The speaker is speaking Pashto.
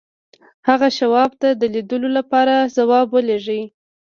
هغه شواب ته د لیدلو لپاره ځواب ولېږه